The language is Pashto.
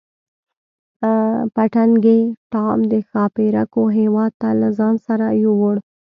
پتنګې ټام د ښاپیرکو هیواد ته له ځان سره یووړ.